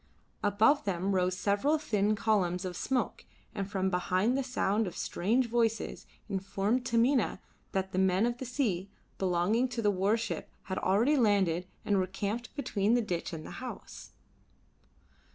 Above them rose several thin columns of smoke, and from behind the sound of strange voices informed Taminah that the Men of the Sea belonging to the warship had already landed and were camped between the ditch and the house.